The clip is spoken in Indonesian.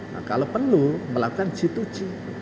nah kalau perlu melakukan g dua g